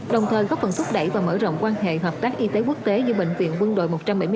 đồng thời góp phần thúc đẩy và mở rộng quan hệ hợp tác y tế quốc tế giữa bệnh viện quân đội một trăm bảy mươi ba